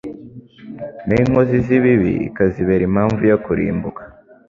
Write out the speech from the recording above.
naho inkozi z’ibibi ikazibera impamvu yo kurimbuka